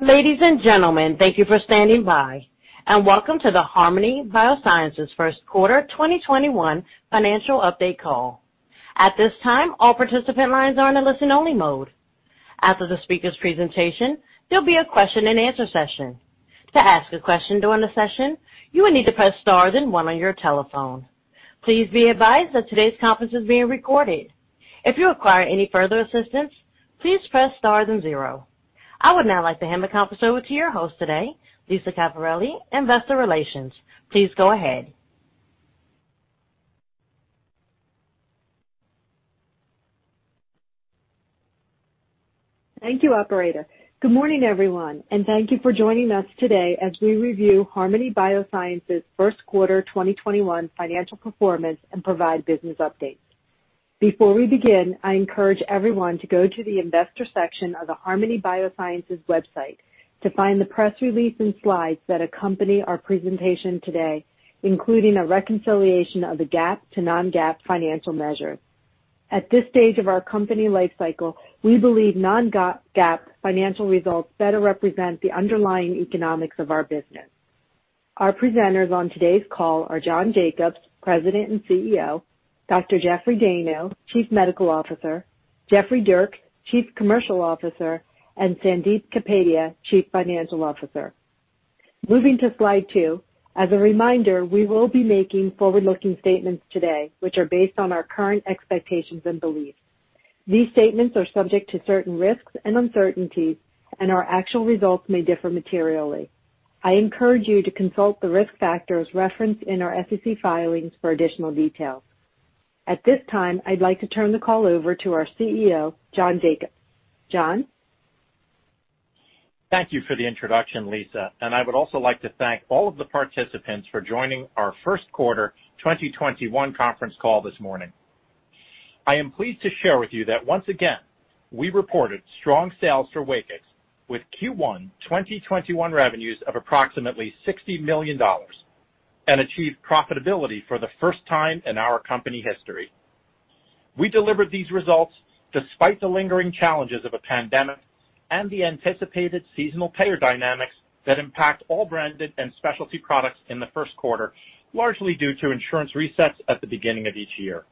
Ladies and gentlemen, thank you for standing by and welcome to the Harmony Biosciences first quarter 2021 financial update call. At this time, all participant lines are in a listen only mode. After the speaker's presentation, there'll be a question and answer session. Please be advised that today's conference is being recorded. I would now like to hand the conference over to your host today, Lisa Caperelli, Investor Relations. Please go ahead. Thank you, operator. Good morning, everyone, and thank you for joining us today as we review Harmony Biosciences first quarter 2021 financial performance and provide business updates. Before we begin, I encourage everyone to go to the investor section of the Harmony Biosciences website to find the press release and slides that accompany our presentation today, including a reconciliation of the GAAP to non-GAAP financial measures. At this stage of our company life cycle, we believe non-GAAP financial results better represent the underlying economics of our business. Our presenters on today's call are John Jacobs, President and CEO, Dr. Jeffrey M. Dayno, Chief Medical Officer, Jeffrey Dierks, Chief Commercial Officer, and Sandip Kapadia, Chief Financial Officer. Moving to slide two, as a reminder, we will be making forward-looking statements today, which are based on our current expectations and beliefs. These statements are subject to certain risks and uncertainties, and our actual results may differ materially. I encourage you to consult the risk factors referenced in our SEC filings for additional details. At this time, I'd like to turn the call over to our CEO, John Jacobs. John? Thank you for the introduction, Lisa, and I would also like to thank all of the participants for joining our first quarter 2021 conference call this morning. I am pleased to share with you that once again, we reported strong sales for WAKIX with Q1 2021 revenues of approximately $60 million and achieved profitability for the first time in our company history. We delivered these results despite the lingering challenges of a pandemic and the anticipated seasonal payer dynamics that impact all branded and specialty products in the first quarter, largely due to insurance resets at the beginning of each year.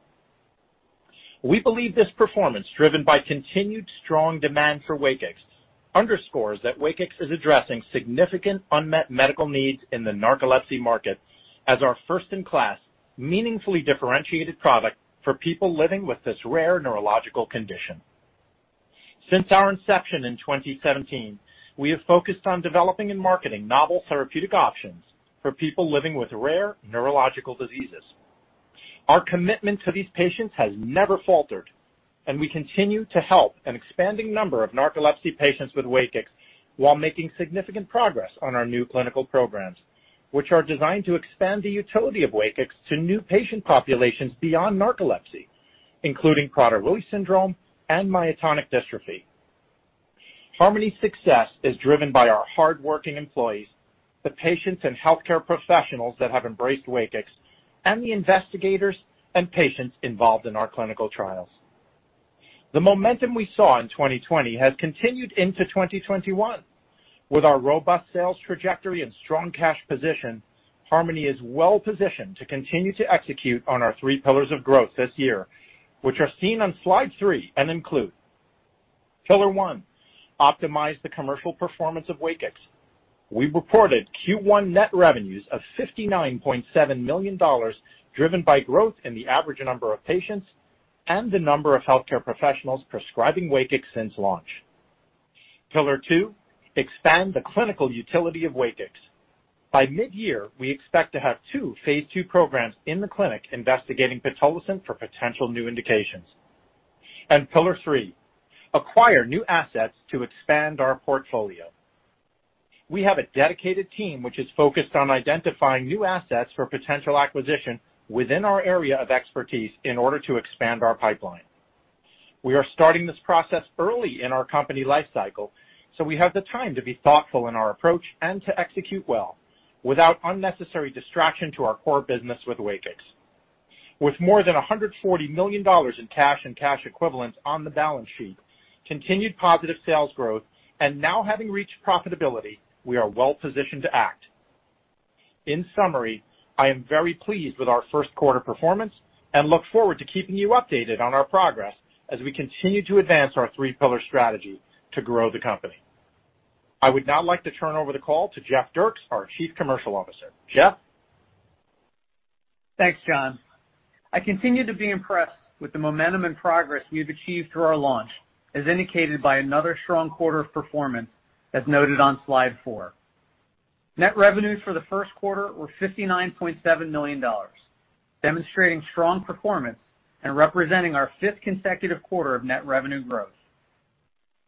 We believe this performance, driven by continued strong demand for WAKIX, underscores that WAKIX is addressing significant unmet medical needs in the narcolepsy market as our first-in-class meaningfully differentiated product for people living with this rare neurological condition. Since our inception in 2017, we have focused on developing and marketing novel therapeutic options for people living with rare neurological diseases. Our commitment to these patients has never faltered, and we continue to help an expanding number of narcolepsy patients with WAKIX while making significant progress on our new clinical programs, which are designed to expand the utility of WAKIX to new patient populations beyond narcolepsy, including Prader-Willi syndrome and myotonic dystrophy. Harmony's success is driven by our hardworking employees, the patients and healthcare professionals that have embraced WAKIX, and the investigators and patients involved in our clinical trials. The momentum we saw in 2020 has continued into 2021. With our robust sales trajectory and strong cash position, Harmony is well positioned to continue to execute on our three pillars of growth this year, which are seen on slide three and include pillar one, optimize the commercial performance of WAKIX. We reported Q1 net revenues of $59.7 million, driven by growth in the average number of patients and the number of healthcare professionals prescribing WAKIX since launch. Pillar two, expand the clinical utility of WAKIX. By mid-year, we expect to have two phase II programs in the clinic investigating pitolisant for potential new indications. Pillar three, acquire new assets to expand our portfolio. We have a dedicated team which is focused on identifying new assets for potential acquisition within our area of expertise in order to expand our pipeline. We are starting this process early in our company life cycle, so we have the time to be thoughtful in our approach and to execute well without unnecessary distraction to our core business with WAKIX. With more than $140 million in cash and cash equivalents on the balance sheet, continued positive sales growth, and now having reached profitability, we are well positioned to act. In summary, I am very pleased with our first quarter performance and look forward to keeping you updated on our progress as we continue to advance our three pillar strategy to grow the company. I would now like to turn over the call to Jeffrey Dierks, our Chief Commercial Officer. Jeff? Thanks, John. I continue to be impressed with the momentum and progress we have achieved through our launch, as indicated by another strong quarter of performance, as noted on slide four. Net revenues for the first quarter were $59.7 million, demonstrating strong performance and representing our fifth consecutive quarter of net revenue growth.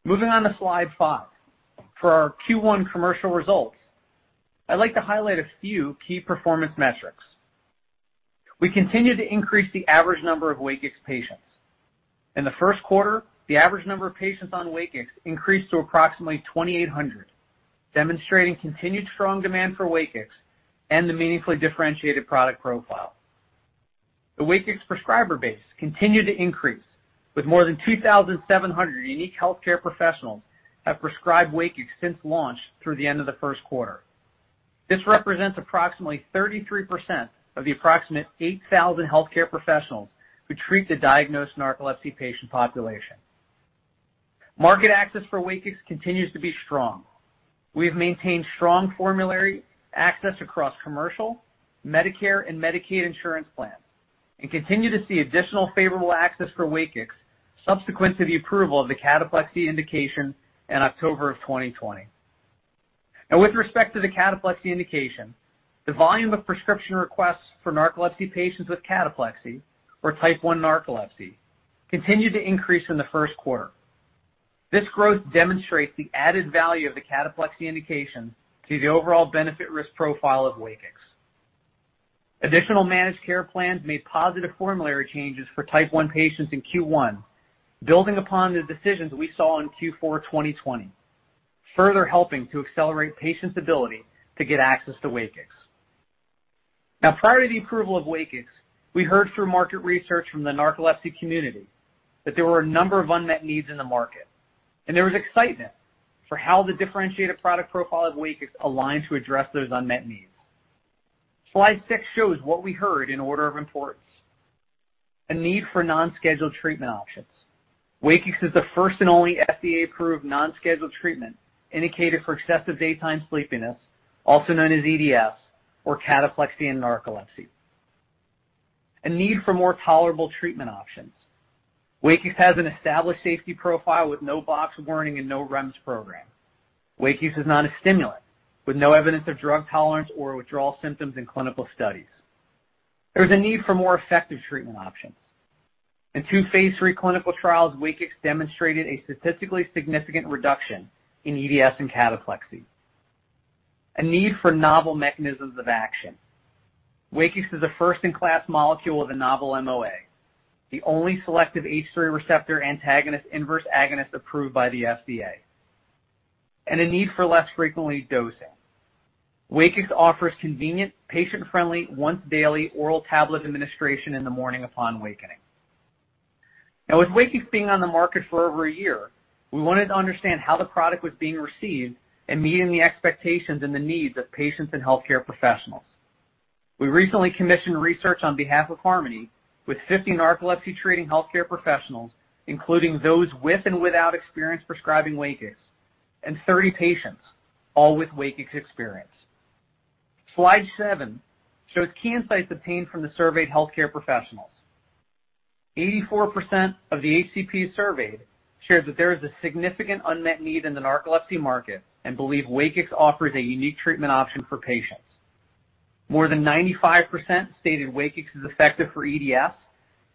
Moving on to slide five, for our Q1 commercial results, I'd like to highlight a few key performance metrics. We continue to increase the average number of WAKIX patients. In the first quarter, the average number of patients on WAKIX increased to approximately 2,800, demonstrating continued strong demand for WAKIX and the meaningfully differentiated product profile. The WAKIX prescriber base continued to increase with more than 2,700 unique healthcare professionals have prescribed WAKIX since launch through the end of the first quarter. This represents approximately 33% of the approximate 8,000 healthcare professionals who treat the diagnosed narcolepsy patient population. Market access for WAKIX continues to be strong. We have maintained strong formulary access across commercial, Medicare, and Medicaid insurance plans and continue to see additional favorable access for WAKIX subsequent to the approval of the cataplexy indication in October of 2020. With respect to the cataplexy indication, the volume of prescription requests for narcolepsy patients with cataplexy or type I narcolepsy continued to increase in the first quarter. This growth demonstrates the added value of the cataplexy indication to the overall benefit risk profile of WAKIX. Additional managed care plans made positive formulary changes for type I patients in Q1, building upon the decisions we saw in Q4 2020, further helping to accelerate patients' ability to get access to WAKIX. Prior to the approval of WAKIX, we heard through market research from the narcolepsy community that there were a number of unmet needs in the market, and there was excitement for how the differentiated product profile of WAKIX aligned to address those unmet needs. Slide six shows what we heard in order of importance. A need for non-scheduled treatment options. WAKIX is the first and only FDA-approved non-scheduled treatment indicated for excessive daytime sleepiness, also known as EDS or cataplexy and narcolepsy. A need for more tolerable treatment options. WAKIX has an established safety profile with no box warning and no REMS program. WAKIX is not a stimulant with no evidence of drug tolerance or withdrawal symptoms in clinical studies. There is a need for more effective treatment options. In two phase III clinical trials, WAKIX demonstrated a statistically significant reduction in EDS and cataplexy. A need for novel mechanisms of action. WAKIX is a first-in-class molecule with a novel MOA, the only selective H3 receptor antagonist/inverse agonist approved by the FDA. A need for less frequently dosing. WAKIX offers convenient, patient-friendly, once daily oral tablet administration in the morning upon wakening. Now, with WAKIX being on the market for over a year, we wanted to understand how the product was being received and meeting the expectations and the needs of patients and healthcare professionals. We recently commissioned research on behalf of Harmony with 50 narcolepsy-treating healthcare professionals, including those with and without experience prescribing WAKIX, and 30 patients, all with WAKIX experience. Slide seven shows key insights obtained from the surveyed healthcare professionals. 84% of the HCP surveyed shared that there is a significant unmet need in the narcolepsy market and believe WAKIX offers a unique treatment option for patients. More than 95% stated WAKIX is effective for EDS,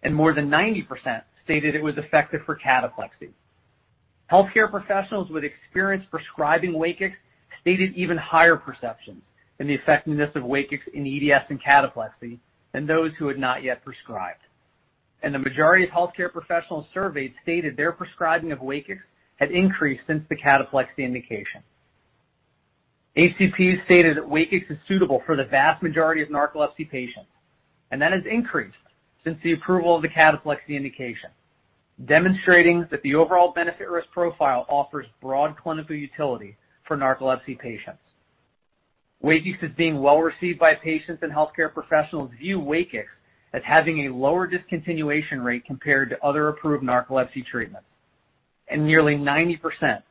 and more than 90% stated it was effective for cataplexy. healthcare professionals with experience prescribing WAKIX stated even higher perceptions in the effectiveness of WAKIX in EDS and cataplexy than those who had not yet prescribed. The majority of healthcare professionals surveyed stated their prescribing of WAKIX had increased since the cataplexy indication. HCPs stated that WAKIX is suitable for the vast majority of narcolepsy patients, and that has increased since the approval of the cataplexy indication, demonstrating that the overall benefit risk profile offers broad clinical utility for narcolepsy patients. WAKIX is being well received by patients, and healthcare professionals view WAKIX as having a lower discontinuation rate compared to other approved narcolepsy treatments. Nearly 90%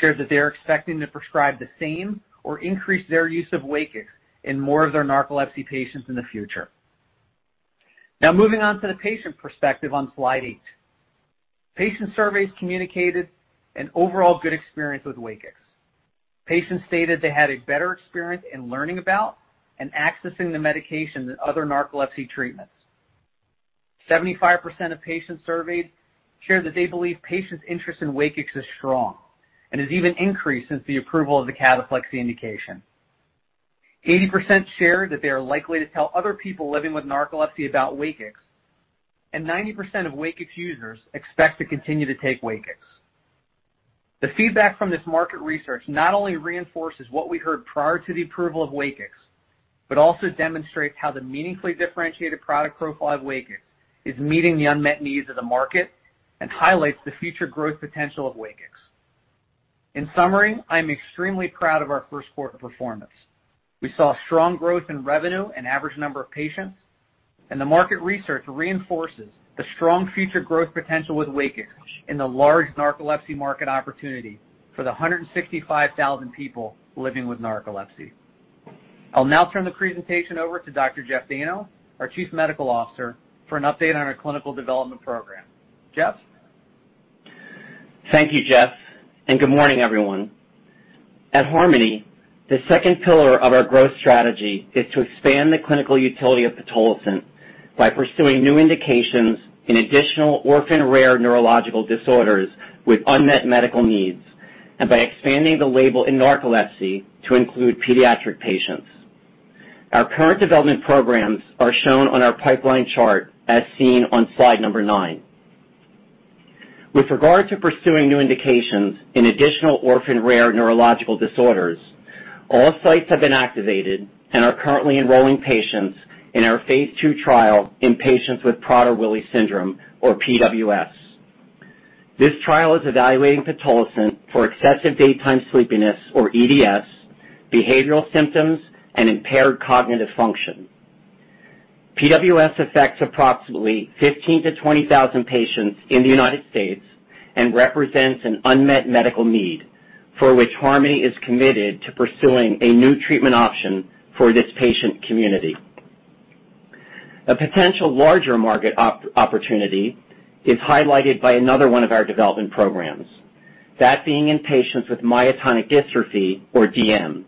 shared that they're expecting to prescribe the same or increase their use of WAKIX in more of their narcolepsy patients in the future. Moving on to the patient perspective on slide eight. Patient surveys communicated an overall good experience with WAKIX. Patients stated they had a better experience in learning about and accessing the medication than other narcolepsy treatments. 75% of patients surveyed shared that they believe patients' interest in WAKIX is strong and has even increased since the approval of the cataplexy indication. 80% shared that they are likely to tell other people living with narcolepsy about WAKIX, and 90% of WAKIX users expect to continue to take WAKIX. The feedback from this market research not only reinforces what we heard prior to the approval of WAKIX, but also demonstrates how the meaningfully differentiated product profile of WAKIX is meeting the unmet needs of the market and highlights the future growth potential of WAKIX. In summary, I am extremely proud of our first quarter performance. We saw strong growth in revenue and average number of patients. The market research reinforces the strong future growth potential with WAKIX in the large narcolepsy market opportunity for the 165,000 people living with narcolepsy. I'll now turn the presentation over to Dr. Jeffrey M. Dayno, our Chief Medical Officer, for an update on our clinical development program. Jeffrey? Thank you, Jeff, and good morning, everyone. At Harmony, the second pillar of our growth strategy is to expand the clinical utility of pitolisant by pursuing new indications in additional orphan rare neurological disorders with unmet medical needs and by expanding the label in narcolepsy to include pediatric patients. Our current development programs are shown on our pipeline chart, as seen on slide number nine. With regard to pursuing new indications in additional orphan rare neurological disorders, all sites have been activated and are currently enrolling patients in our phase II trial in patients with Prader-Willi syndrome, or PWS. This trial is evaluating pitolisant for excessive daytime sleepiness, or EDS, behavioral symptoms, and impaired cognitive function. PWS affects approximately 15,000-20,000 patients in the U.S. and represents an unmet medical need for which Harmony is committed to pursuing a new treatment option for this patient community. A potential larger market opportunity is highlighted by another one of our development programs, that being in patients with myotonic dystrophy, or DM,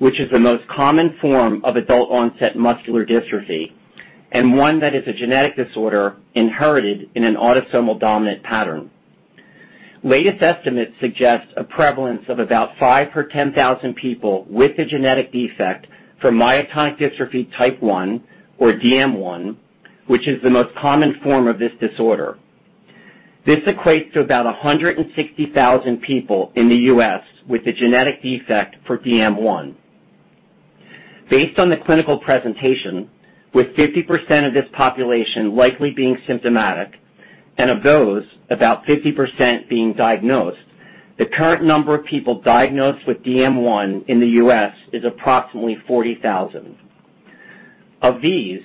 which is the most common form of adult-onset muscular dystrophy, and one that is a genetic disorder inherited in an autosomal dominant pattern. Latest estimates suggest a prevalence of about five per 10,000 people with the genetic defect for myotonic dystrophy type I, or DM1, which is the most common form of this disorder. This equates to about 160,000 people in the U.S. with the genetic defect for DM1. Based on the clinical presentation, with 50% of this population likely being symptomatic, and of those, about 50% being diagnosed, the current number of people diagnosed with DM1 in the U.S. is approximately 40,000. Of these,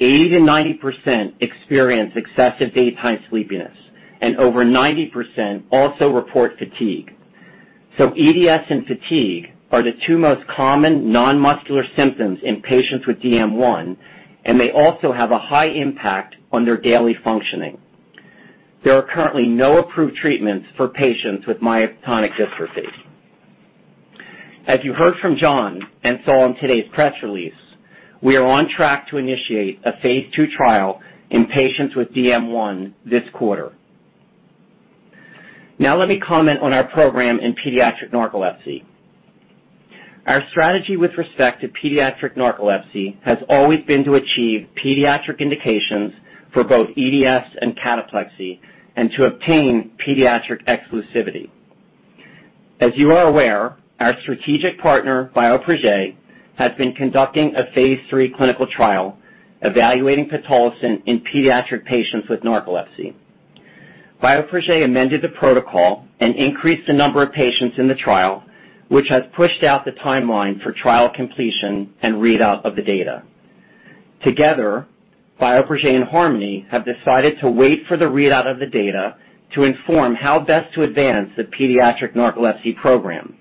80%-90% experience excessive daytime sleepiness, and over 90% also report fatigue. EDS and fatigue are the two most common non-muscular symptoms in patients with DM1, and they also have a high impact on their daily functioning. There are currently no approved treatments for patients with myotonic dystrophy. As you heard from John, and saw in today's press release, we are on track to initiate a phase II trial in patients with DM1 this quarter. Let me comment on our program in pediatric narcolepsy. Our strategy with respect to pediatric narcolepsy has always been to achieve pediatric indications for both EDS and cataplexy and to obtain pediatric exclusivity. As you are aware, our strategic partner, Bioprojet, has been conducting a phase III clinical trial evaluating pitolisant in pediatric patients with narcolepsy. Bioprojet amended the protocol and increased the number of patients in the trial, which has pushed out the timeline for trial completion and readout of the data. Together, Bioprojet and Harmony have decided to wait for the readout of the data to inform how best to advance the pediatric narcolepsy program.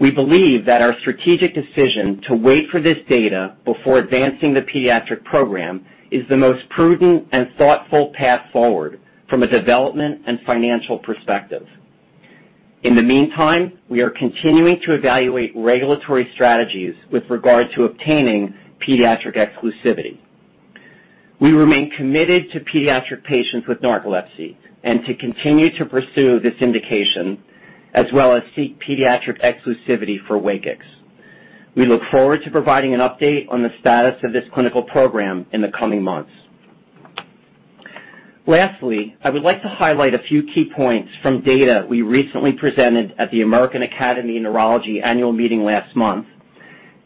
We believe that our strategic decision to wait for this data before advancing the pediatric program is the most prudent and thoughtful path forward from a development and financial perspective. In the meantime, we are continuing to evaluate regulatory strategies with regard to obtaining pediatric exclusivity. We remain committed to pediatric patients with narcolepsy and to continue to pursue this indication, as well as seek pediatric exclusivity for WAKIX. We look forward to providing an update on the status of this clinical program in the coming months. Lastly, I would like to highlight a few key points from data we recently presented at the American Academy of Neurology annual meeting last month,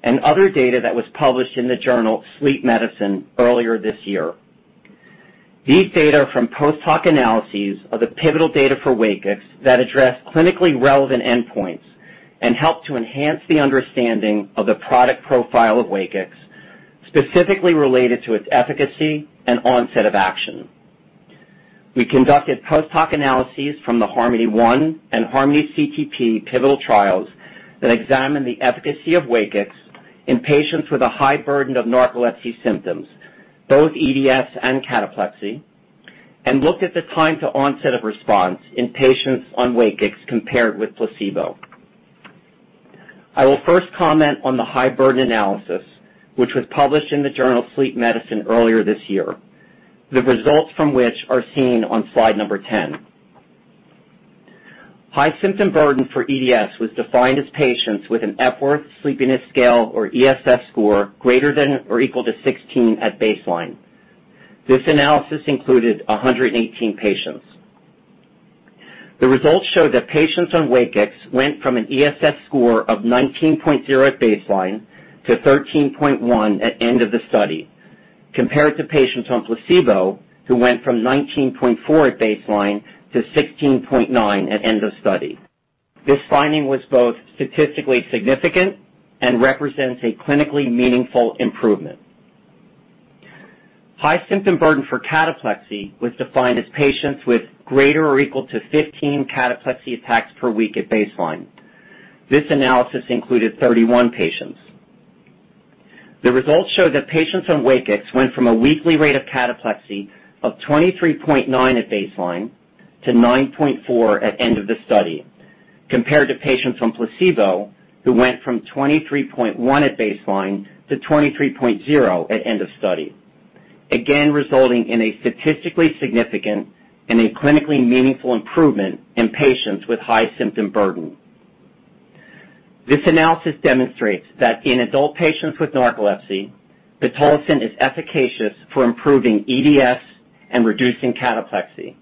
and other data that was published in the journal Sleep Medicine earlier this year. These data from post-hoc analyses are the pivotal data for WAKIX that address clinically relevant endpoints and help to enhance the understanding of the product profile of WAKIX, specifically related to its efficacy and onset of action. We conducted post-hoc analyses from the HARMONY 1 and HARMONY CTP pivotal trials that examined the efficacy of WAKIX in patients with a high burden of narcolepsy symptoms, both EDS and cataplexy, and looked at the time to onset of response in patients on WAKIX compared with placebo. I will first comment on the high burden analysis, which was published in the journal Sleep Medicine earlier this year, the results from which are seen on slide number 10. High symptom burden for EDS was defined as patients with an Epworth Sleepiness Scale, or ESS, score greater than or equal to 16 at baseline. This analysis included 118 patients. The results show that patients on WAKIX went from an ESS score of 19.0 at baseline to 13.1 at end of the study, compared to patients on placebo who went from 19.4 at baseline to 16.9 at end of study. This finding was both statistically significant and represents a clinically meaningful improvement. High symptom burden for cataplexy was defined as patients with greater or equal to 15 cataplexy attacks per week at baseline. This analysis included 31 patients. The results show that patients on WAKIX went from a weekly rate of cataplexy of 23.9 at baseline to 9.4 at end of the study, compared to patients on placebo who went from 23.1 at baseline to 23.0 at end of study, again, resulting in a statistically significant and a clinically meaningful improvement in patients with high symptom burden. This analysis demonstrates that in adult patients with narcolepsy, pitolisant is efficacious for improving EDS and reducing cataplexy,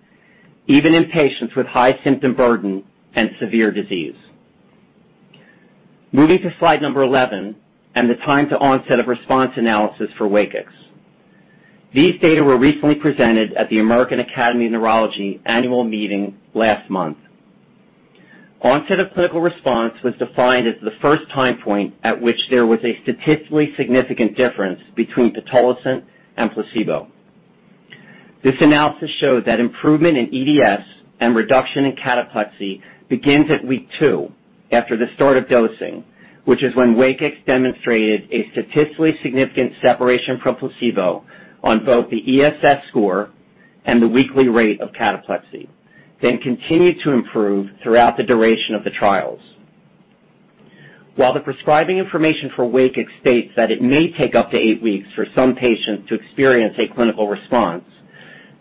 even in patients with high symptom burden and severe disease. Moving to slide number 11 and the time to onset of response analysis for WAKIX. These data were recently presented at the American Academy of Neurology annual meeting last month. Onset of clinical response was defined as the first time point at which there was a statistically significant difference between pitolisant and placebo. This analysis showed that improvement in EDS and reduction in cataplexy begins at week two after the start of dosing, which is when WAKIX demonstrated a statistically significant separation from placebo on both the ESS score and the weekly rate of cataplexy, then continued to improve throughout the duration of the trials. While the prescribing information for WAKIX states that it may take up to eight weeks for some patients to experience a clinical response,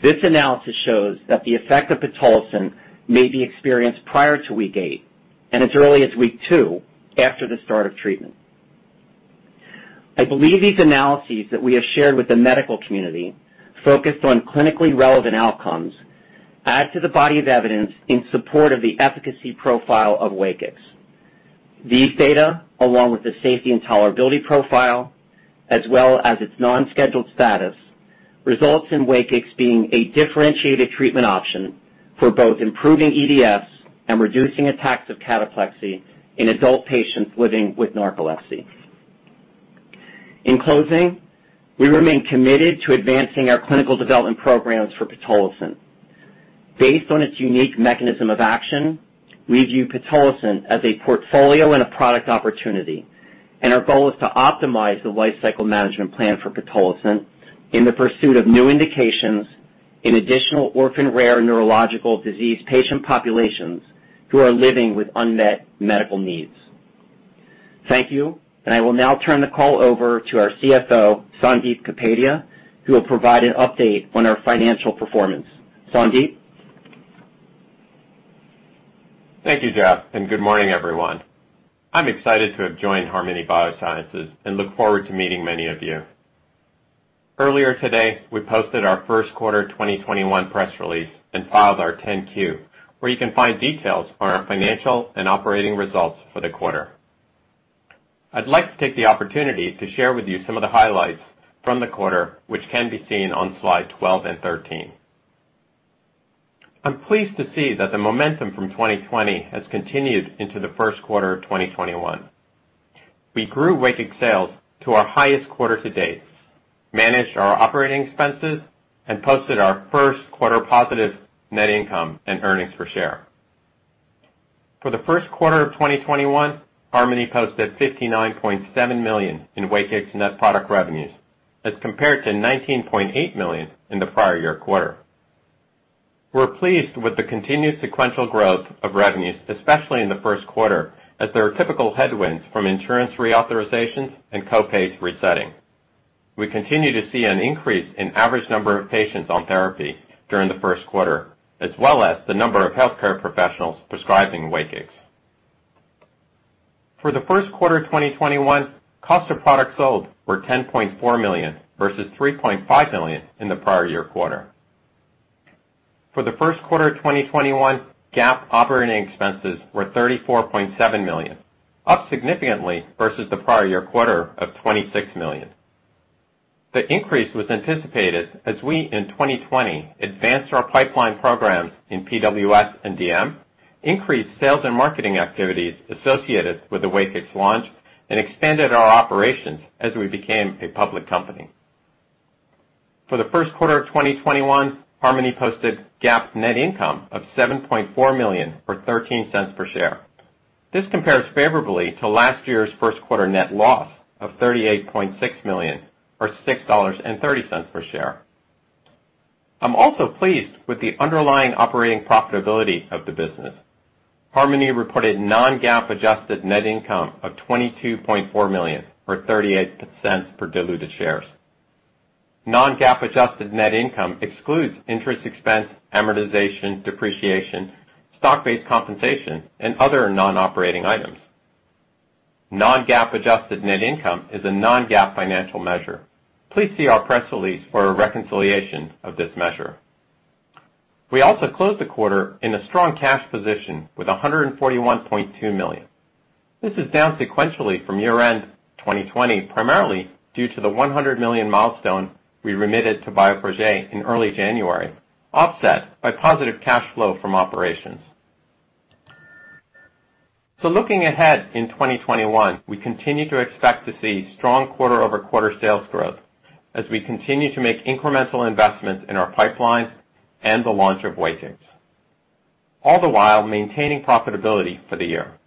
this analysis shows that the effect of pitolisant may be experienced prior to week eight and as early as week two after the start of treatment. I believe these analyses that we have shared with the medical community, focused on clinically relevant outcomes, add to the body of evidence in support of the efficacy profile of WAKIX. These data, along with the safety and tolerability profile, as well as its non-scheduled status, results in WAKIX being a differentiated treatment option for both improving EDS and reducing attacks of cataplexy in adult patients living with narcolepsy. In closing, we remain committed to advancing our clinical development programs for pitolisant. Based on its unique mechanism of action, we view pitolisant as a portfolio and a product opportunity, and our goal is to optimize the lifecycle management plan for pitolisant in the pursuit of new indications in additional orphan rare neurological disease patient populations who are living with unmet medical needs. Thank you, and I will now turn the call over to our CFO, Sandip Kapadia, who will provide an update on our financial performance. Sandip? Thank you, Jeff. Good morning, everyone. I'm excited to have joined Harmony Biosciences and look forward to meeting many of you. Earlier today, we posted our first quarter 2021 press release and filed our 10-Q, where you can find details on our financial and operating results for the quarter. I'd like to take the opportunity to share with you some of the highlights from the quarter, which can be seen on slide 12 and 13. I'm pleased to see that the momentum from 2020 has continued into the first quarter of 2021. We grew WAKIX sales to our highest quarter to date, managed our operating expenses, and posted our first quarter positive net income and earnings per share. For the first quarter of 2021, Harmony posted $59.7 million in WAKIX net product revenues as compared to $19.8 million in the prior year quarter. We're pleased with the continued sequential growth of revenues, especially in the first quarter, as there are typical headwinds from insurance reauthorizations and co-pays resetting. We continue to see an increase in average number of patients on therapy during the first quarter, as well as the number of healthcare professionals prescribing WAKIX. For the first quarter of 2021, cost of products sold were $10.4 million versus $3.5 million in the prior year quarter. For the first quarter of 2021, GAAP operating expenses were $34.7 million, up significantly versus the prior year quarter of $26 million. The increase was anticipated as we, in 2020, advanced our pipeline programs in PWS and DM, increased sales and marketing activities associated with the WAKIX launch, and expanded our operations as we became a public company. For the first quarter of 2021, Harmony posted GAAP net income of $7.4 million or $0.13 per share. This compares favorably to last year's first quarter net loss of $38.6 million or $6.30 per share. I'm also pleased with the underlying operating profitability of the business. Harmony reported non-GAAP adjusted net income of $22.4 million or $0.38 per diluted shares. Non-GAAP adjusted net income excludes interest expense, amortization, depreciation, stock-based compensation, and other non-operating items. Non-GAAP adjusted net income is a non-GAAP financial measure. Please see our press release for a reconciliation of this measure. We also closed the quarter in a strong cash position with $141.2 million. This is down sequentially from year-end 2020, primarily due to the $100 million milestone we remitted to Bioprojet in early January, offset by positive cash flow from operations. Looking ahead in 2021, we continue to expect to see strong quarter-over-quarter sales growth as we continue to make incremental investments in our pipeline and the launch of WAKIX, all the while maintaining profitability for the year.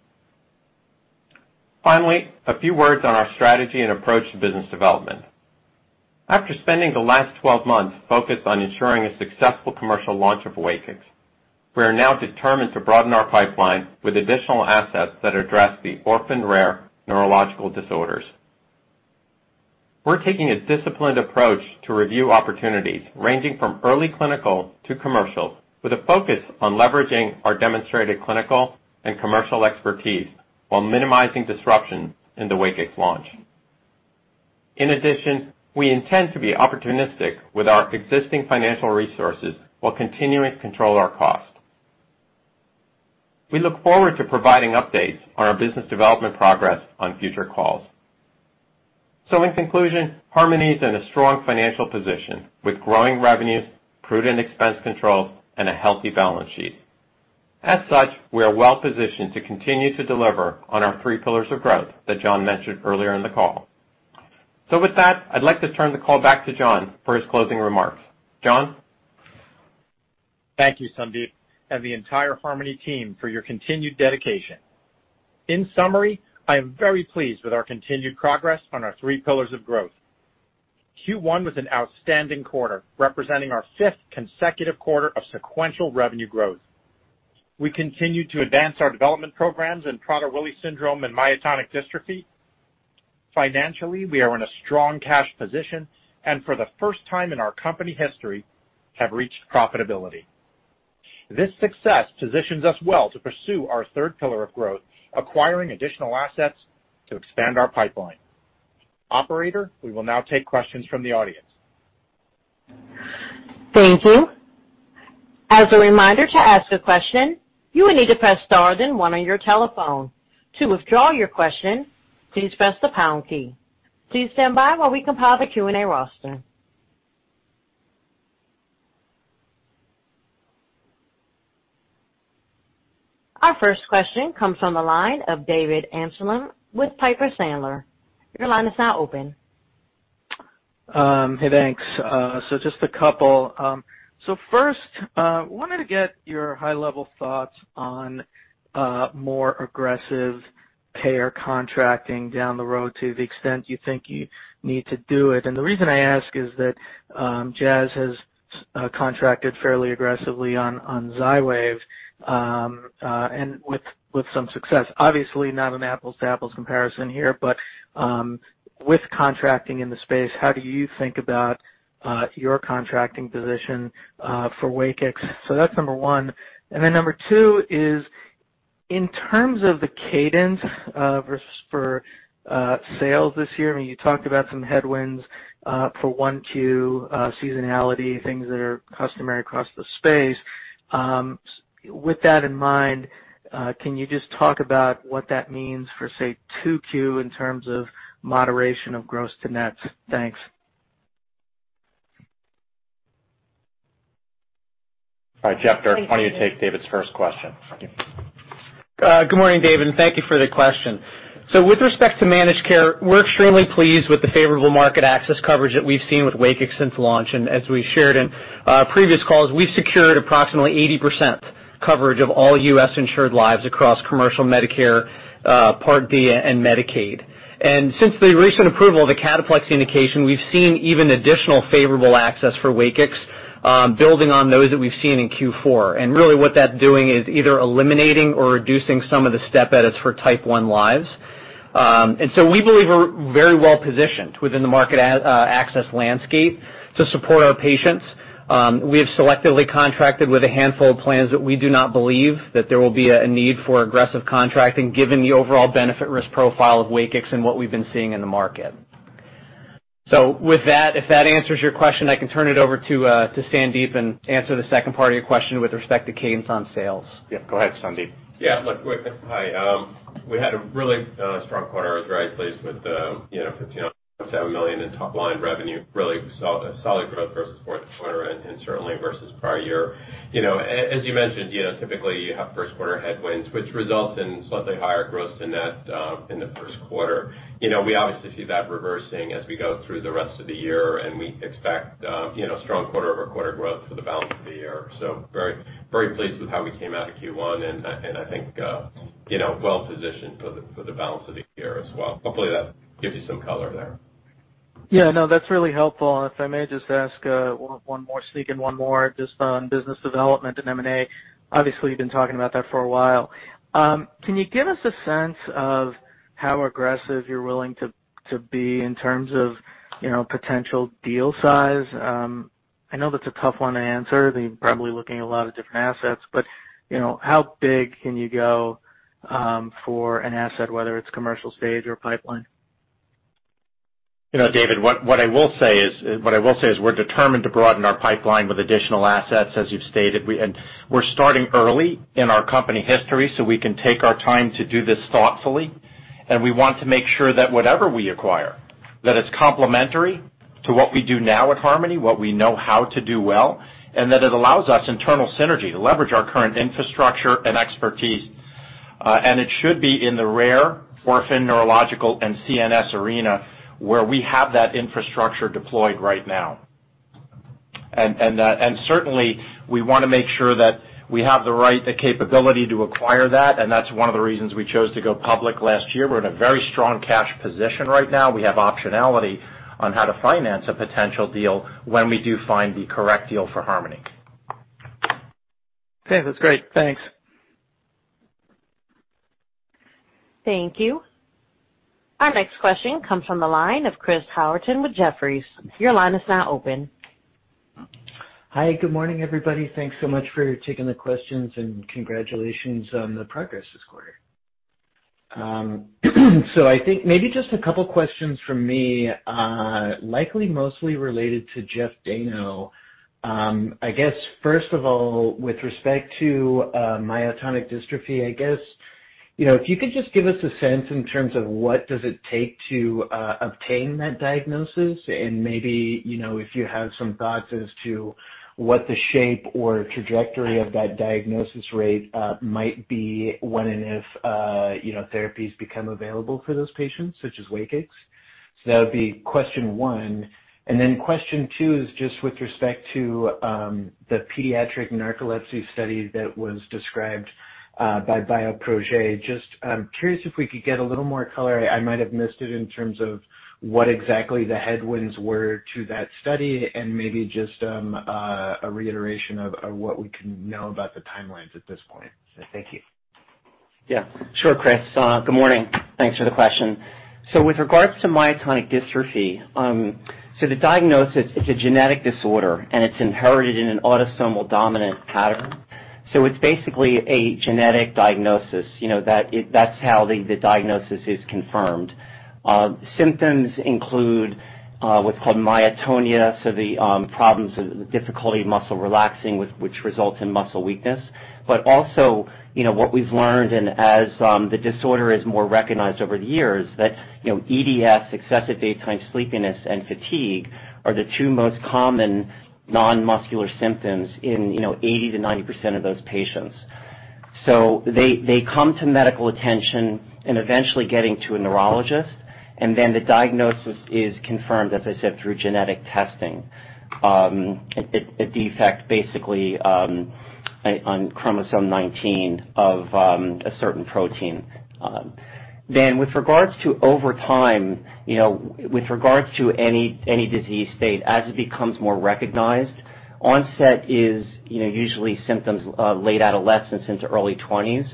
Finally, a few words on our strategy and approach to business development. After spending the last 12 months focused on ensuring a successful commercial launch of WAKIX, we are now determined to broaden our pipeline with additional assets that address the orphan rare neurological disorders. We're taking a disciplined approach to review opportunities ranging from early clinical to commercial, with a focus on leveraging our demonstrated clinical and commercial expertise while minimizing disruption in the WAKIX launch. In addition, we intend to be opportunistic with our existing financial resources while continuing to control our cost. We look forward to providing updates on our business development progress on future calls. In conclusion, Harmony is in a strong financial position with growing revenues, prudent expense controls, and a healthy balance sheet. As such, we are well-positioned to continue to deliver on our three pillars of growth that John mentioned earlier in the call. With that, I'd like to turn the call back to John for his closing remarks. John? Thank you, Sandip, and the entire Harmony team for your continued dedication. In summary, I am very pleased with our continued progress on our three pillars of growth. Q1 was an outstanding quarter, representing our fifth consecutive quarter of sequential revenue growth. We continue to advance our development programs in Prader-Willi syndrome and myotonic dystrophy. Financially, we are in a strong cash position, and for the first time in our company history, have reached profitability. This success positions us well to pursue our third pillar of growth, acquiring additional assets to expand our pipeline. Operator, we will now take questions from the audience. Thank you. Our first question comes from the line of David Amsellem with Piper Sandler. Your line is now open. Hey, thanks. Just a couple. First, wanted to get your high-level thoughts on more aggressive payer contracting down the road to the extent you think you need to do it. The reason I ask is that Jazz has contracted fairly aggressively on XYWAV, and with some success. Obviously, not an apples-to-apples comparison here, with contracting in the space, how do you think about your contracting position for WAKIX? That's number one. Number two is in terms of the cadence for sales this year, you talked about some headwinds for 1Q seasonality, things that are customary across the space. With that in mind, can you just talk about what that means for, say, 2Q in terms of moderation of gross to net? Thanks. All right, Jeffrey Dierks, why don't you take David's first question? Good morning, David. Thank you for the question. With respect to managed care, we're extremely pleased with the favorable market access coverage that we've seen with WAKIX since launch. As we shared in previous calls, we've secured approximately 80% coverage of all U.S. insured lives across commercial Medicare, Part D, and Medicaid. Since the recent approval of the cataplexy indication, we've seen even additional favorable access for WAKIX, building on those that we've seen in Q4. Really what that's doing is either eliminating or reducing some of the step edits for type I lives. We believe we're very well positioned within the market access landscape to support our patients. We have selectively contracted with a handful of plans that we do not believe that there will be a need for aggressive contracting given the overall benefit risk profile of WAKIX and what we've been seeing in the market. With that, if that answers your question, I can turn it over to Sandip and answer the second part of your question with respect to cadence on sales. Yeah, go ahead, Sandip. Yeah. Look, hi. We had a really strong quarter. I was very pleased with the $59.7 million million in top line revenue, really solid growth versus fourth quarter and certainly versus prior year. As you mentioned, typically you have first quarter headwinds, which results in slightly higher gross than net in the first quarter. We obviously see that reversing as we go through the rest of the year, and we expect strong quarter-over-quarter growth for the balance of the year. Very pleased with how we came out of Q1 and I think well-positioned for the balance of the year as well. Hopefully, that gives you some color there. Yeah, no, that's really helpful. If I may just ask one more, sneak in one more just on business development and M&A. Obviously, you've been talking about that for a while. Can you give us a sense of how aggressive you're willing to be in terms of potential deal size? I know that's a tough one to answer. You're probably looking at a lot of different assets, but how big can you go for an asset, whether it's commercial stage or pipeline? David, what I will say is we're determined to broaden our pipeline with additional assets, as you've stated. We're starting early in our company history, so we can take our time to do this thoughtfully, and we want to make sure that whatever we acquire, that it's complementary to what we do now at Harmony, what we know how to do well, and that it allows us internal synergy to leverage our current infrastructure and expertise. It should be in the rare orphan neurological and CNS arena where we have that infrastructure deployed right now. Certainly, we want to make sure that we have the right capability to acquire that, and that's one of the reasons we chose to go public last year. We're in a very strong cash position right now. We have optionality on how to finance a potential deal when we do find the correct deal for Harmony. Okay, that's great. Thanks. Thank you. Our next question comes from the line of Chris Howerton with Jefferies. Your line is now open. Hi, good morning, everybody. Thanks so much for taking the questions and congratulations on the progress this quarter. I think maybe just a couple questions from me, likely mostly related to Jeff Dayno. I guess first of all, with respect to myotonic dystrophy, if you could just give us a sense in terms of what does it take to obtain that diagnosis and maybe if you have some thoughts as to what the shape or trajectory of that diagnosis rate might be when and if therapies become available for those patients, such as WAKIX. That would be question one. Then question two is just with respect to the pediatric narcolepsy study that was described by Bioprojet. Just, I'm curious if we could get a little more color. I might have missed it in terms of what exactly the headwinds were to that study, and maybe just a reiteration of what we can know about the timelines at this point. Thank you. Yeah, sure, Chris. Good morning. Thanks for the question. With regards to myotonic dystrophy, the diagnosis, it's a genetic disorder, and it's inherited in an autosomal dominant pattern. It's basically a genetic diagnosis. That's how the diagnosis is confirmed. Symptoms include what's called myotonia, so the problems of the difficulty of muscle relaxing, which results in muscle weakness. Also, what we've learned, and as the disorder is more recognized over the years, that EDS, excessive daytime sleepiness, and fatigue are the two most common non-muscular symptoms in 80%-90% of those patients. They come to medical attention and eventually getting to a neurologist, and then the diagnosis is confirmed, as I said, through genetic testing, a defect, basically, on chromosome 19 of a certain protein. With regards to over time, with regards to any disease state, as it becomes more recognized, onset is usually symptoms, late adolescence into early 20s.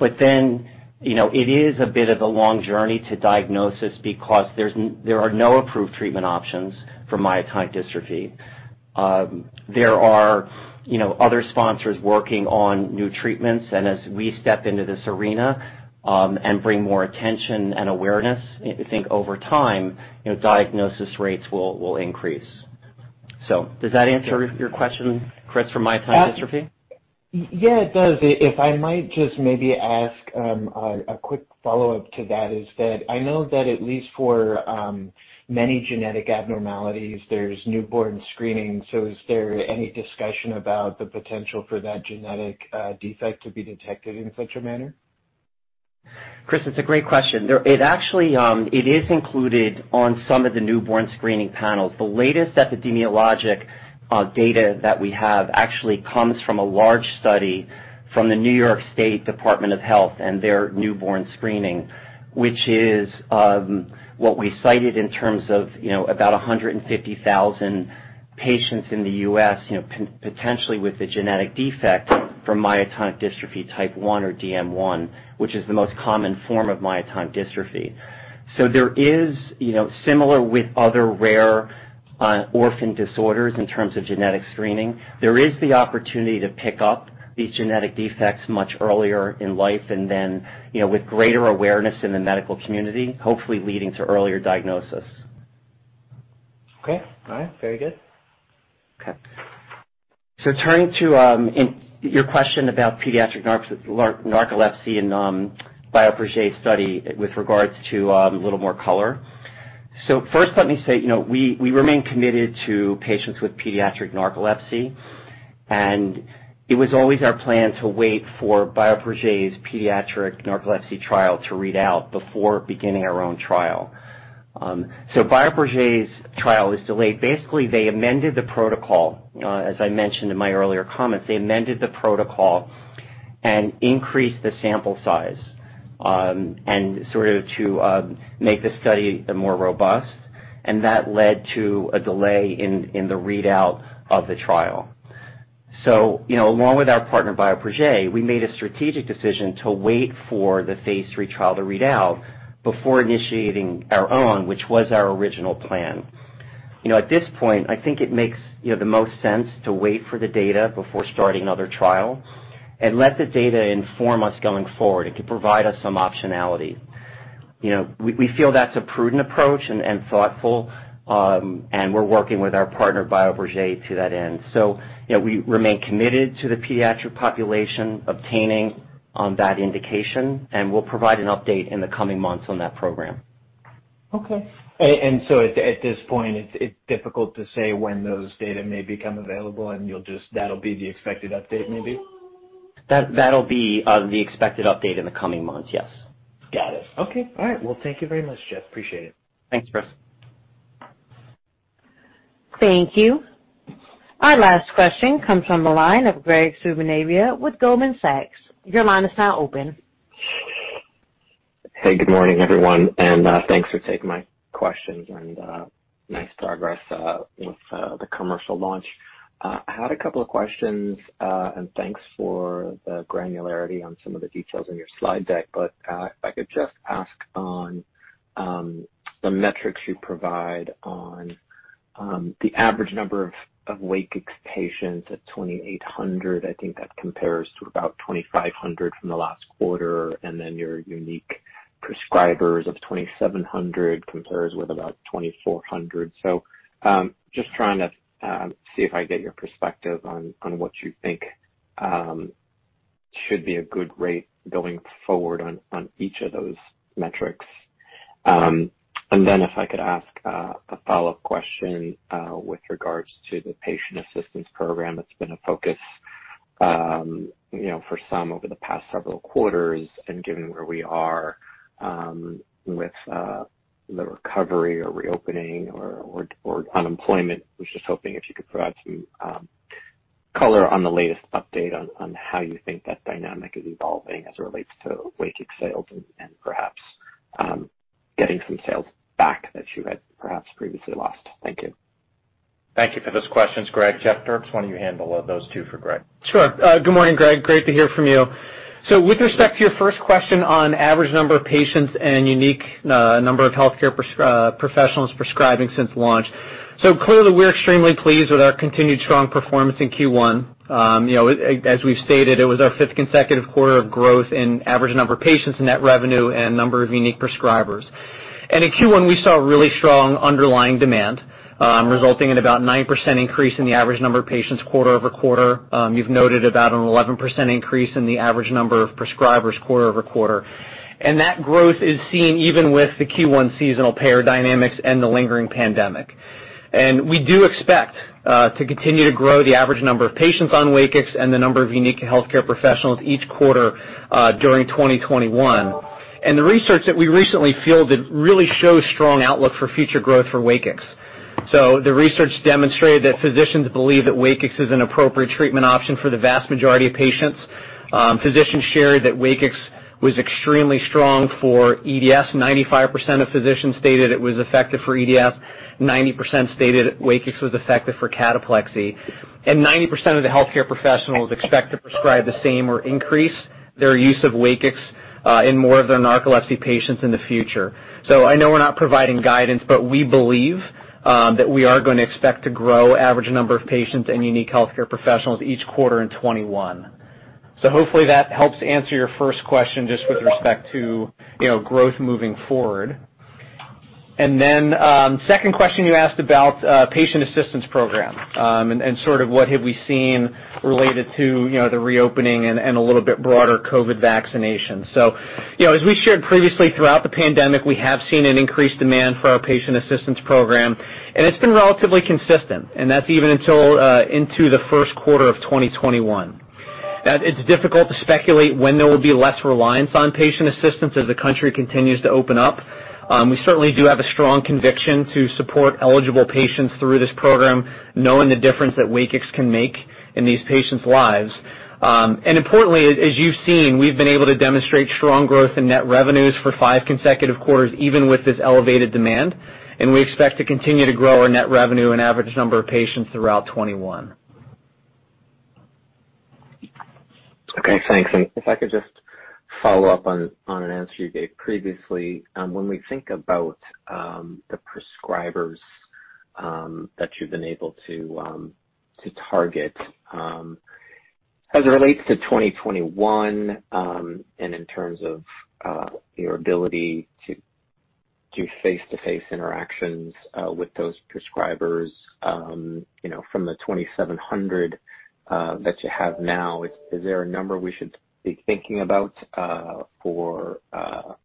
It is a bit of a long journey to diagnosis because there are no approved treatment options for myotonic dystrophy. There are other sponsors working on new treatments, and as we step into this arena and bring more attention and awareness, I think over time, diagnosis rates will increase. Does that answer your question, Chris, for myotonic dystrophy? Yeah, it does. If I might just maybe ask a quick follow-up to that is that I know that at least for many genetic abnormalities, there's newborn screening. Is there any discussion about the potential for that genetic defect to be detected in such a manner? Chris, it's a great question. It is included on some of the newborn screening panels. The latest epidemiologic data that we have actually comes from a large study from the New York State Department of Health and their newborn screening, which is what we cited in terms of about 150,000 patients in the U.S. potentially with a genetic defect for myotonic dystrophy type I or DM1, which is the most common form of myotonic dystrophy. There is, similar with other rare orphan disorders in terms of genetic screening, there is the opportunity to pick up these genetic defects much earlier in life, and then, with greater awareness in the medical community, hopefully leading to earlier diagnosis. Okay. All right. Very good. Okay. Turning to your question about pediatric narcolepsy and Bioprojet study with regards to a little more color. First let me say, we remain committed to patients with pediatric narcolepsy, and it was always our plan to wait for Bioprojet's pediatric narcolepsy trial to read out before beginning our own trial. Bioprojet's trial is delayed. Basically, they amended the protocol, as I mentioned in my earlier comments. They amended the protocol and increased the sample size and sort of to make the study more robust, and that led to a delay in the readout of the trial. Along with our partner, Bioprojet, we made a strategic decision to wait for the phase III trial to read out before initiating our own, which was our original plan. At this point, I think it makes the most sense to wait for the data before starting another trial and let the data inform us going forward. It could provide us some optionality. We feel that's a prudent approach and thoughtful, and we're working with our partner, Bioprojet, to that end. We remain committed to the pediatric population obtaining on that indication, and we'll provide an update in the coming months on that program. Okay. At this point, it's difficult to say when those data may become available, and that'll be the expected update maybe? That'll be the expected update in the coming months, yes. Got it. Okay. All right. Well, thank you very much, Jeff. Appreciate it. Thanks, Chris. Thank you. Our last question comes from the line of Graig Suvannavejh with Goldman Sachs. Your line is now open. Hey, good morning, everyone, and thanks for taking my questions. Nice progress with the commercial launch. I had a couple of questions. Thanks for the granularity on some of the details in your slide deck. If I could just ask on the metrics you provide on the average number of WAKIX patients at 2,800. I think that compares to about 2,500 from the last quarter, and then your unique prescribers of 2,700 compares with about 2,400. Just trying to see if I get your perspective on what you think should be a good rate going forward on each of those metrics. If I could ask a follow-up question with regards to the patient assistance program that's been a focus for some over the past several quarters. Given where we are with the recovery or reopening or unemployment, was just hoping if you could provide some color on the latest update on how you think that dynamic is evolving as it relates to WAKIX sales and perhaps getting some sales back that you had perhaps previously lost. Thank you. Thank you for those questions, Graig. Jeffrey Dierks, why don't you handle those two for Graig? Sure. Good morning, Graig. Great to hear from you. With respect to your first question on average number of patients and unique number of healthcare professionals prescribing since launch. Clearly we're extremely pleased with our continued strong performance in Q1. As we've stated, it was our fifth consecutive quarter of growth in average number of patients, net revenue, and number of unique prescribers. In Q1, we saw really strong underlying demand, resulting in about 9% increase in the average number of patients quarter-over-quarter. You've noted about an 11% increase in the average number of prescribers quarter-over-quarter. That growth is seen even with the Q1 seasonal payer dynamics and the lingering pandemic. We do expect to continue to grow the average number of patients on WAKIX and the number of unique healthcare professionals each quarter during 2021. The research that we recently fielded really shows strong outlook for future growth for WAKIX. The research demonstrated that physicians believe that WAKIX is an appropriate treatment option for the vast majority of patients. Physicians shared that WAKIX was extremely strong for EDS. 95% of physicians stated it was effective for EDS. 90% stated WAKIX was effective for cataplexy. 90% of the healthcare professionals expect to prescribe the same or increase their use of WAKIX in more of their narcolepsy patients in the future. I know we're not providing guidance, but we believe that we are going to expect to grow average number of patients and unique healthcare professionals each quarter in 2021. Hopefully that helps answer your first question just with respect to growth moving forward. Second question you asked about patient assistance program, and sort of what have we seen related to the reopening and a little bit broader COVID vaccination. As we shared previously, throughout the pandemic, we have seen an increased demand for our patient assistance program, and it's been relatively consistent. That's even into the first quarter of 2021. That it's difficult to speculate when there will be less reliance on patient assistance as the country continues to open up. We certainly do have a strong conviction to support eligible patients through this program, knowing the difference that WAKIX can make in these patients' lives. Importantly, as you've seen, we've been able to demonstrate strong growth in net revenues for five consecutive quarters, even with this elevated demand. We expect to continue to grow our net revenue and average number of patients throughout 2021. Okay, thanks. If I could just follow up on an answer you gave previously. When we think about the prescribers that you've been able to target, as it relates to 2021, and in terms of your ability to do face-to-face interactions with those prescribers from the 2,700 that you have now, is there a number we should be thinking about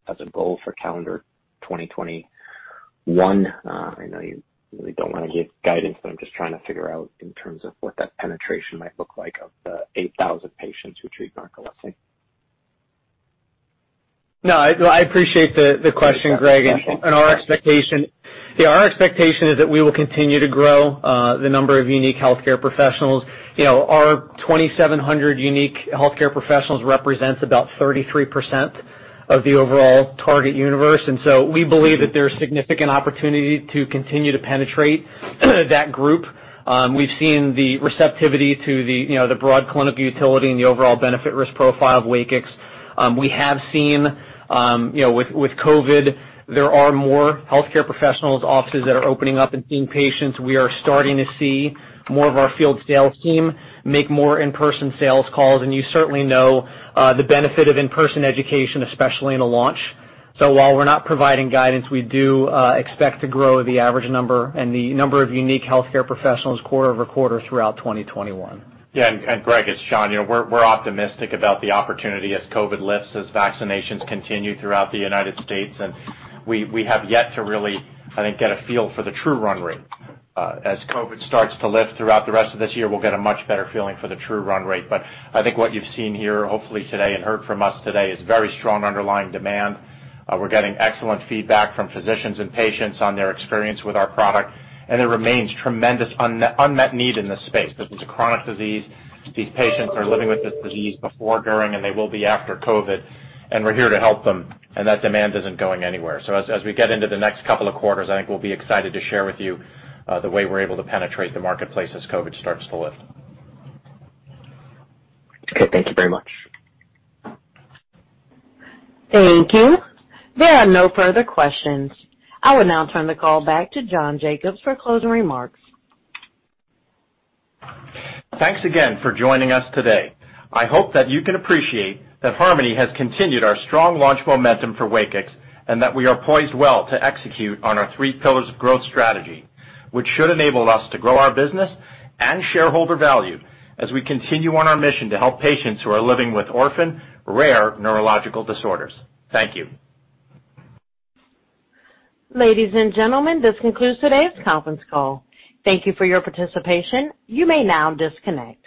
as a goal for calendar 2021? I know you really don't want to give guidance, but I'm just trying to figure out in terms of what that penetration might look like of the 8,000 patients who treat narcolepsy. No, I appreciate the question, Graig. Thanks. Our expectation is that we will continue to grow the number of unique healthcare professionals. Our 2,700 unique healthcare professionals represents about 33% of the overall target universe. We believe that there's significant opportunity to continue to penetrate that group. We've seen the receptivity to the broad clinical utility and the overall benefit risk profile of WAKIX. We have seen with COVID, there are more healthcare professionals' offices that are opening up and seeing patients. We are starting to see more of our field sales team make more in-person sales calls. You certainly know the benefit of in-person education, especially in a launch. While we're not providing guidance, we do expect to grow the average number and the number of unique healthcare professionals quarter-over-quarter throughout 2021. Yeah, Graig, it's John. We're optimistic about the opportunity as COVID lifts, as vaccinations continue throughout the United States. We have yet to really, I think, get a feel for the true run rate. As COVID starts to lift throughout the rest of this year, we'll get a much better feeling for the true run rate. I think what you've seen here, hopefully today, and heard from us today is very strong underlying demand. We're getting excellent feedback from physicians and patients on their experience with our product, and there remains tremendous unmet need in this space. This is a chronic disease. These patients are living with this disease before, during, and they will be after COVID, and we're here to help them, and that demand isn't going anywhere. As we get into the next couple of quarters, I think we'll be excited to share with you the way we're able to penetrate the marketplace as COVID starts to lift. Okay. Thank you very much. Thank you. There are no further questions. I will now turn the call back to John Jacobs for closing remarks. Thanks again for joining us today. I hope that you can appreciate that Harmony has continued our strong launch momentum for WAKIX, and that we are poised well to execute on our three pillars of growth strategy, which should enable us to grow our business and shareholder value as we continue on our mission to help patients who are living with orphan rare neurological disorders. Thank you. Ladies and gentlemen, this concludes today's conference call. Thank you for your participation. You may now disconnect.